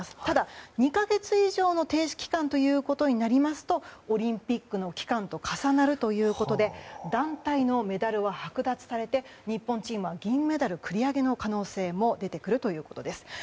ただ、２か月以上の停止期間となりますとオリンピックの期間と重なるということで団体のメダルは剥奪されて日本チームは銀メダル繰り上げの可能性も出てくるということです。